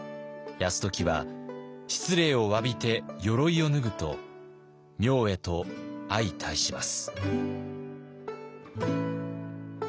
泰時は失礼をわびて鎧を脱ぐと明恵と相対します。